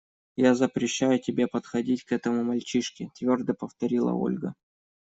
Я запрещаю тебе подходить к этому мальчишке, – твердо повторила Ольга.